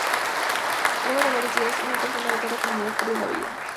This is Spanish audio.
Luego de varios días, una persona de cada comunidad perdió la vida.